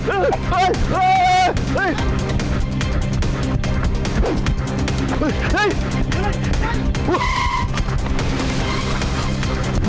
โอ๊ยโอ๊ยโอ๊ย